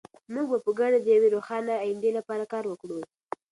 موږ به په ګډه د یوې روښانه ایندې لپاره کار وکړو.